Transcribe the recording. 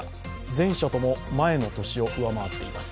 全社とも前の年を上回っています。